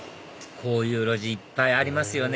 こういう路地いっぱいありますよね